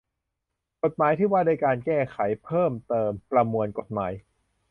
กฎหมายว่าด้วยการแก้ไขเพิ่มเติมประมวลกฎหมาย